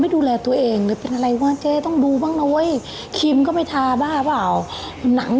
อ๋อดูหนังกันดูหนัง